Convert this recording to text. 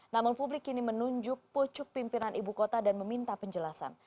namun publik kini menunjuk pucuk pimpinan ibu kota dan meminta penjelasan